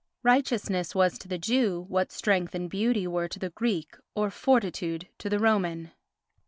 Righteousness was to the Jew what strength and beauty were to the Greek or fortitude to the Roman.